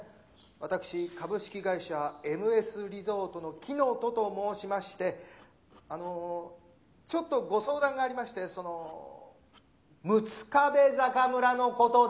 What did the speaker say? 私株式会社エムエスリゾートの乙と申しましてあのォちょっとご相談がありましてそのォ「六壁坂村」のことで。